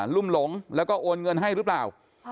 ลุ่มหลงแล้วก็โอนเงินให้หรือเปล่า